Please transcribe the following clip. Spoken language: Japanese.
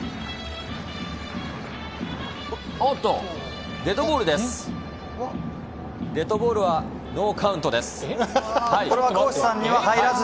おっと、デッドボールです。